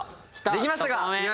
できましたか。